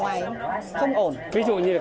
ví dụ như là cái chiều cao của người việt nam